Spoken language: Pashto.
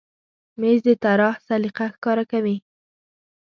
مېز د طراح سلیقه ښکاره کوي.